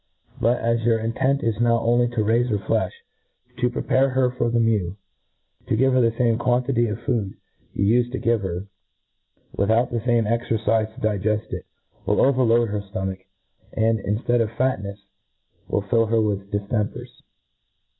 But as your intent is now only to raife her flefh, to prepare her for the men^, ta give her the fame quantity of food you ufed to give her, without the fame exercifc to digeft it, will overload her ftomach, and, inftead of Tat nefs, will fill her with diftempers.